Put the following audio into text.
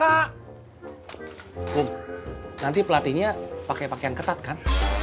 akum nanti pelatihnya pake pake yang ketat kan